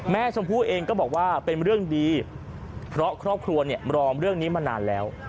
ชมพู่เองก็บอกว่าเป็นเรื่องดีเพราะครอบครัวเนี่ยรอเรื่องนี้มานานแล้ว